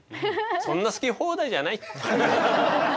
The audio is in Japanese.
そんな好き放題じゃない。